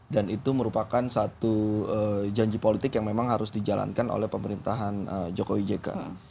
dan itu merupakan satu janji politik yang memang harus dijalankan oleh pemerintahan jokowi jk